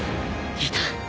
いた！